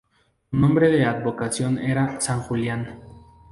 Su nombre de advocación era "San Julián".